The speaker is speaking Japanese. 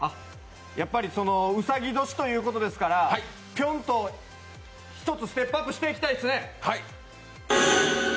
やっぱりうさぎ年ということですからぴょんと、１つステップアップしていきたいですね。